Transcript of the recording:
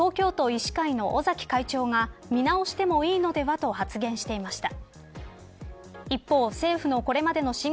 医師会の尾崎会長が見直してもいいのではと発言していました。